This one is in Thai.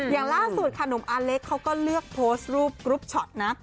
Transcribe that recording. อย่างล่าสุดขนมอาเล็กเขาก็เลือกโพสต์รูปช็อตนะ